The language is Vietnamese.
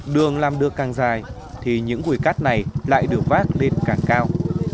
đường làm đường càng dài thì những ngùi cát này lại được vác lên càng cao